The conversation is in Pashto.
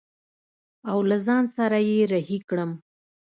او له ځان سره يې رهي کړم.